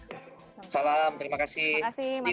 terima kasih mas verdi